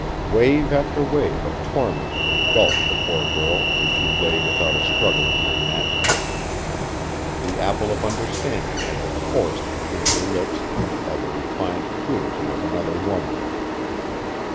Wave after wave of torment engulfed the poor girl as she lay without a struggle in her net. The apple of understanding had been forced between her lips by the refined cruelty of another woman.